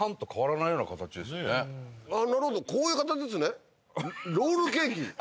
なるほどこういう形ですね。